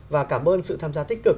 và cảm ơn sự tham gia tích cực